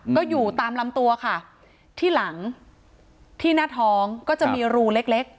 ก็อยู่ตามลำตัวค่ะที่หลังที่หน้าท้องก็จะมีรูเล็กเล็ก